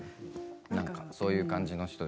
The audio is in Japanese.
そういう感じの人。